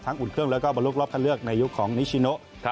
ทั้งอุ่นเครื่องแล้วก็บรรลุกรอบทะเลือกในยุคของนิชโชน์